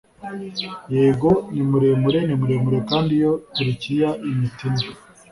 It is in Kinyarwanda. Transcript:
Yego ni muremure ni muremure kandi iyo Turukiya imitini